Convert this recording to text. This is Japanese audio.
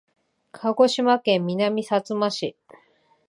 鹿児島県南さつま市